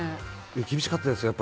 厳しかったです。